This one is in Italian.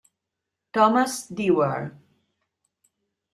Thomas Dewar